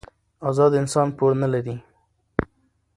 ازاد انسان پور نه لري.